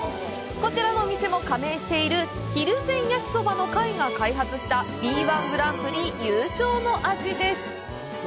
こちらのお店も加盟しているひるぜん焼きそばの会が開発したＢ−１グランプリ優勝の味です。